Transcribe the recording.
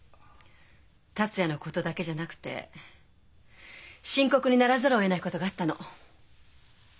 達也のことだけじゃなくて深刻にならざるをえないことがあったの。